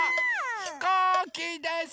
ひこうきです！